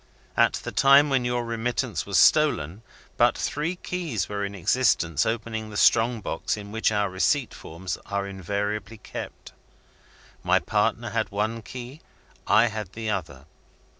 At the time when your remittance was stolen, but three keys were in existence opening the strong box in which our receipt forms are invariably kept. My partner had one key; I had the other.